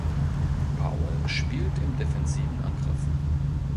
Powell spielt im defensiven Angriff.